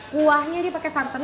kuahnya ini pakai santan